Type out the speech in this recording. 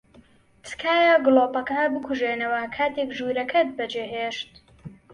تکایە گڵۆپەکە بکوژێنەوە کاتێک ژوورەکەت بەجێھێشت.